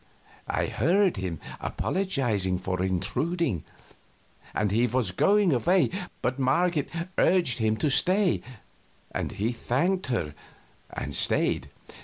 I heard him apologizing for intruding; and he was going away, but Marget urged him to stay, and he thanked her and stayed.